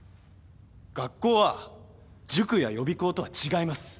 学校は塾や予備校とは違います。